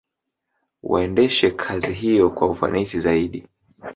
Waendeshe kazi hiyo kwa ufanisi zaidi